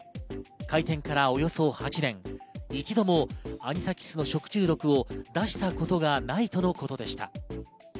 開店からおよそ８年、一度もアニサキスの食中毒を出したことがないとのことでした。